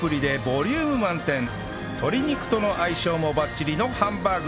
鶏肉との相性もバッチリのハンバーグです